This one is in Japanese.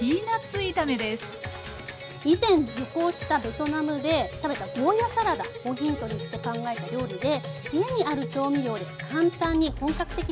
以前旅行したベトナムで食べたゴーヤーサラダをヒントにして考えた料理で家にある調味料で簡単に本格的なベトナムの味が再現できます。